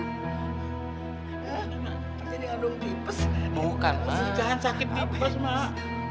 hah kandung tipes